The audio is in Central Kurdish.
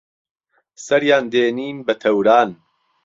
سهریان دێنين به تەوران